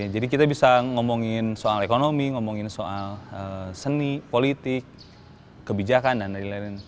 jadi kita bisa ngomongin soal ekonomi ngomongin soal seni politik kebijakan dan lain lain